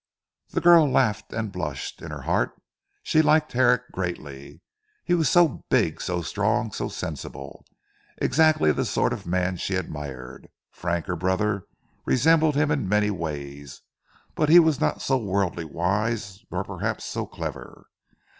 The girl laughed, and blushed. In her heart she liked Herrick greatly. He was so big, so strong, so sensible exactly the sort of man she admired. Frank, her brother resembled him in many ways, but he was not so worldly wise, nor perhaps so clever.